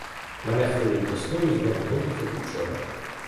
Мене хилить до сну і знову нудить, як учора.